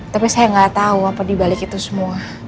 tapi saya gak tau apa dibalik itu semua